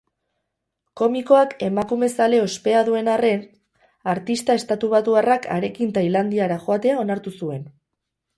Komikoak emakumezale ospea duen arren, artista estatubatuarrak harekin tailandiara joatea onartu zuen.